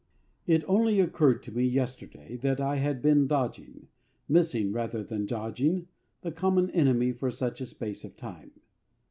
It only occurred to me yesterday that I had been dodging missing rather than dodging the common enemy for such a space of time.